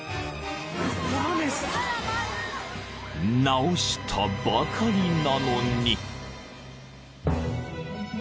［直したばかりなのに］